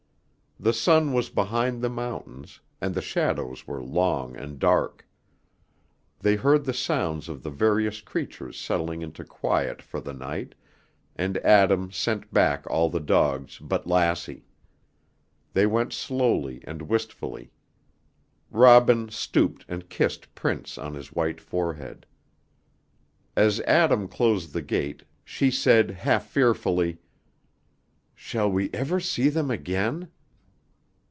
The sun was behind the mountains, and the shadows were long and dark. They heard the sounds of the various creatures settling into quiet for the night, and Adam sent back all the dogs but Lassie. They went slowly and wistfully. Robin stooped and kissed Prince on his white forehead. As Adam closed the gate, she said half fearfully, "Shall we ever see them again?"